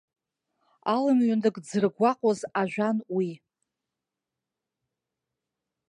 Алымҩанык дзыргәаҟуаз ажәан уи.